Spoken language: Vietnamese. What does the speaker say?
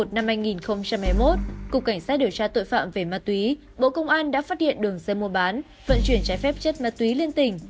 tháng một mươi một năm hai nghìn một mươi một cục cảnh sát điều tra tội phạm về ma túy bộ công an đã phát hiện đường dây mua bán vận chuyển trái phép chất ma túy lên tỉnh